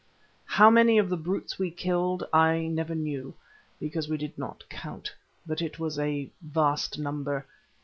How many of the brutes we killed I never knew, because we did not count, but it was a vast number.